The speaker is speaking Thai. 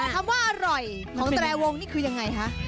คำว่าอร่อยของแทรวงคืออย่างไร